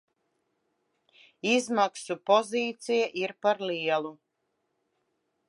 Izmaksu pozīcija ir par lielu.